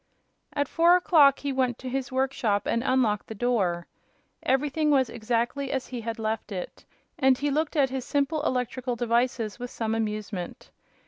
At four o'clock he went to his workshop and unlocked the door. Everything was exactly as he had left it, and he looked at his simple electrical devices with some amusement.